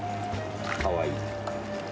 かわいい。